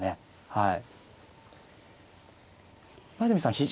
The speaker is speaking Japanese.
はい。